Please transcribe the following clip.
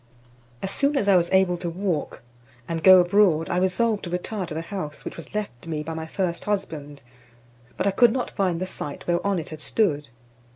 As soon as I was able to walk, and go abroad, I resolved to retire to the house which was left me by my first husband, but I could not find the site whereon it had stood.